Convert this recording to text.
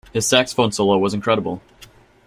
His saxophone solo was incredible.